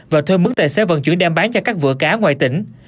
và thơm mức tài xế vận chuyển đem bán cho các vựa cá ngoài tỉnh